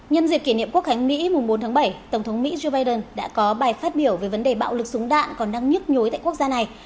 nhân dịp kỷ niệm quốc khánh mỹ mùng bốn tháng bảy tổng thống mỹ joe biden đã có bài phát biểu về vấn đề bạo lực súng đạn còn đang nhức nhối tại quốc gia này